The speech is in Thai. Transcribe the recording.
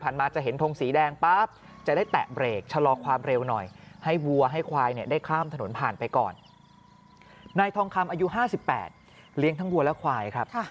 นายทองคำอายุ๕๘เลี้ยงทั้งวัวและควายครับ